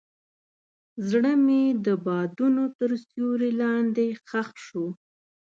زړه مې د بادونو تر سیوري لاندې ښخ شو.